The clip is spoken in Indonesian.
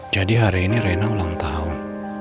jadi hari ini rena ulang tahun